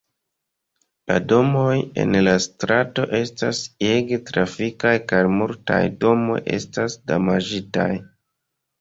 La domoj en la strato estas ege trafitaj kaj multaj domoj estas damaĝitaj.